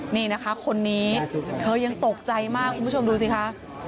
นี่นะคะคนนี้เธอยังตกใจมากคุณผู้ชมดูสิคะ